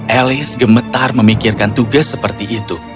elis gemetar memikirkan tugas seperti itu